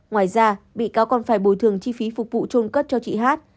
ngoài ra bị cáo còn phải bồi thường chi phí phục vụ trôn cất cho chị hát